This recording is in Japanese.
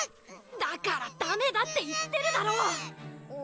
だからダメだって言ってるだろ！